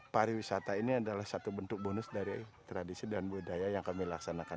pariwisata ini adalah satu bentuk bonus dari tradisi dan budaya yang kami laksanakan